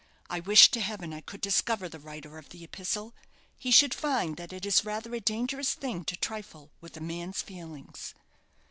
"I wish to heaven I could discover the writer of the epistle. He should find that it is rather a dangerous thing to trifle with a man's feelings."